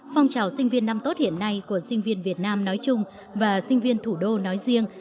phong trào sinh viên năm tốt hiện nay của sinh viên việt nam nói chung và sinh viên thủ đô nói riêng